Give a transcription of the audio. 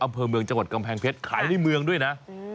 อำเภอเมืองจังหวัดกำแพงเพชรขายในเมืองด้วยนะ